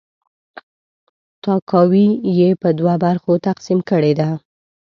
تاکاوی یې په دوه برخو تقسیم کړې ده.